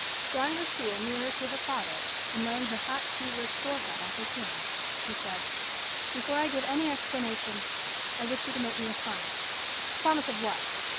Drawing her stool nearer to her father, and laying her hot, feverish forehead on his hand, she said, "Before I give any explanation, I wish you to make me a promise." "Promise of what?"